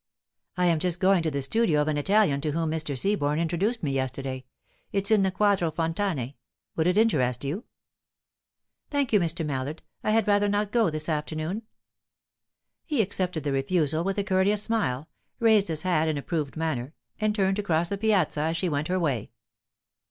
"I am just going to see the studio of an Italian to whom Mr. Seaborne introduced me yesterday. It's in the Quattro Fontane. Would it interest you?" "Thank you, Mr. Mallard; I had rather not go this afternoon." He accepted the refusal with a courteous smile, raised his hat in approved manner, and turned to cross the Piazza as she went her way.